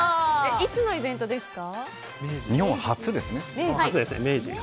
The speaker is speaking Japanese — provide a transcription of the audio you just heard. いつのイベントですか？